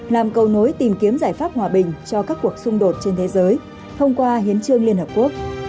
làm cầu nối tìm kiếm giải pháp hòa bình cho các cuộc xung đột trên thế giới thông qua hiến trương liên hợp quốc